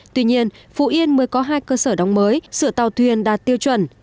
tuy nhiên phú yên mới có hai cơ sở đóng mới sửa tàu thuyền đạt tiêu chuẩn